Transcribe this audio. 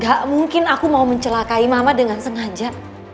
gak mungkin aku mau mencelakai mama dengan sengaja